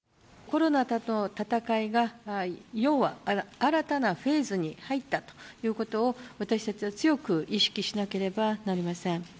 コロナとの闘いが、要は、新たなフェーズに入ったということを私たちは強く意識しなければなりません。